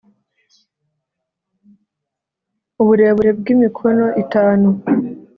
uburebure bw imikono itanu